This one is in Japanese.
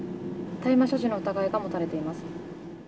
大麻所持の疑いが持たれています。